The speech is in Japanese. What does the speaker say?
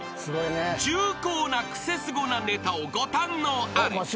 ［重厚なクセスゴなネタをご堪能あれ］